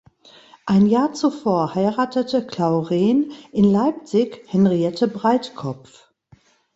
Ein Jahr zuvor heiratete Clauren in Leipzig Henriette Breitkopf.